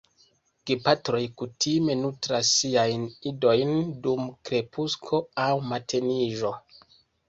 Gepatroj kutime nutras siajn idojn dum krepusko aŭ mateniĝo.